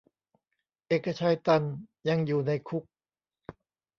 เอกชัย ตัน ยังอยู่ในคุก